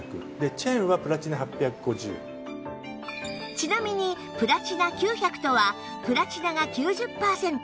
ちなみにプラチナ９００とはプラチナが９０パーセント